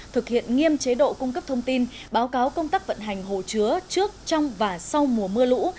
thực hiện nghiêm chế độ cung cấp thông tin báo cáo công tác vận hành hồ chứa trước trong và sau mùa mưa lũ